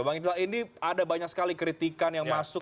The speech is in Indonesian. bang ifla ini ada banyak sekali kritikan yang masuk